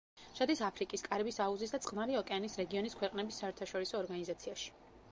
შედის აფრიკის, კარიბის აუზის და წყნარი ოკეანის რეგიონის ქვეყნების საერთაშორისო ორგანიზაციაში.